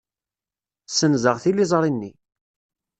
Ssenzeɣ tiliẓri-nni.